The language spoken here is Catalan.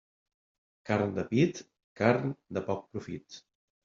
Carn de pit, carn de poc profit.